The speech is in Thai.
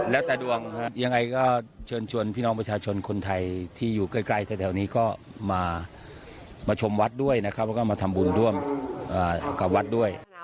แล้วแต่ดวงยังไงก็เชิญชวนพี่น้องประชาชนคนไทยที่อยู่ใกล้แถวนี้ก็มาชมวัดด้วยนะครับแล้วก็มาทำบุญร่วมกับวัดด้วย